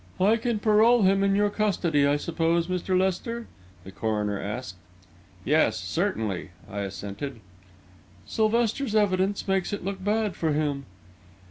"I can parole him in your custody, I suppose, Mr. Lester?" the coroner asked. "Yes; certainly," I assented. "Sylvester's evidence makes it look bad for him."